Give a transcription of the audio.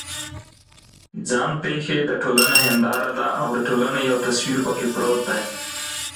ځان پېښې د ټولنې هنداره ده او د ټولنې یو تصویر پکې پروت دی.